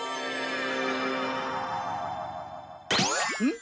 ん？